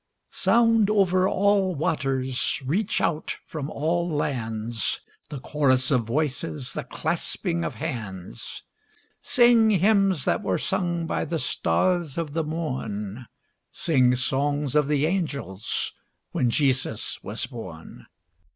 I. Sound over all waters, reach out from all lands, The chorus of voices, the clasping of hands; Sing hymns that were sung by the stars of the morn, Sing songs of the angels when Jesus was born!